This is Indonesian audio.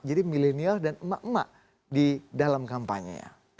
jadi milenial dan emak emak di dalam kampanye